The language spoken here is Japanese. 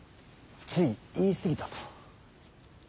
つい言い過ぎたと。